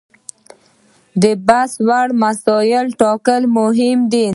د بحث وړ مسایلو ټاکل مهم دي.